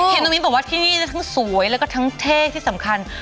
น้องมิ้นบอกว่าที่นี่ทั้งสวยแล้วก็ทั้งเท่ที่สำคัญ